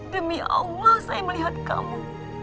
demi allah saya melihat kamu